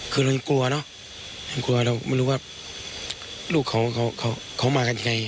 คือเรากลัวเนอะกลัวเราไม่รู้ว่าลูกเขาเขาเขาเขาเขามากันยังไง